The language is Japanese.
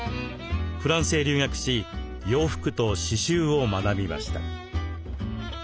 フランスへ留学し洋服と刺繍を学びました。